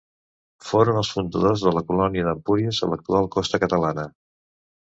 Foren els fundadors de la colònia d'Empúries a l'actual costa catalana.